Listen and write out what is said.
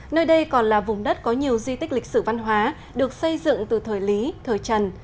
nơi đây còn là vùng đất có nhiều di tích lịch sử văn hóa được xây dựng từ thời lý thời trần